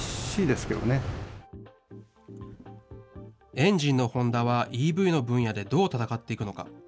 エンジンのホンダは、ＥＶの分野でどう戦っていくのか。